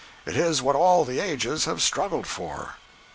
It is what all the ages have struggled for.